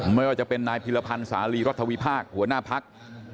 เมื่อจะเป็นนายภิลพันธ์สาลีรัฐวิภาคหัวหน้าพักษณ์